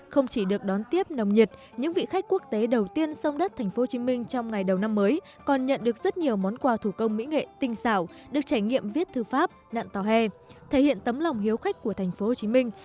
không chỉ được đón tiếp nồng nhiệt những vị khách quốc tế đầu tiên sông đất thành phố hồ chí minh trong ngày đầu năm mới còn nhận được rất nhiều món quà thủ công mỹ nghệ tinh xảo được trải nghiệm viết thư pháp nạn tòa hè thể hiện tấm lòng hiếu khách của thành phố hồ chí minh